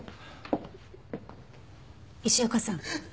石岡さん